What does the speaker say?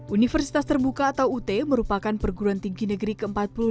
universitas terbuka atau ut merupakan perguruan tinggi negeri ke empat puluh lima